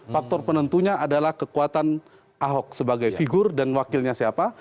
faktor penentunya adalah kekuatan ahok sebagai figur dan wakilnya siapa